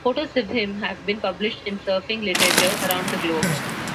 Photos of him have been published in surfing literature around the globe.